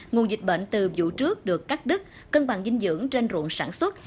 nguồn dịch bệnh từ vụ trước được cắt đứt cân bằng dinh dưỡng trên ruộng sản xuất